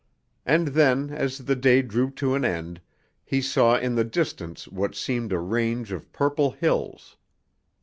And then, as the day drew to an end, he saw in the distance what seemed a range of purple hills.